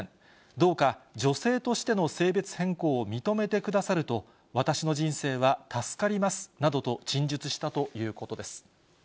どうか女性としての性別変更を認めてくださると、私の人生は助かりますなどと、陳述したということです。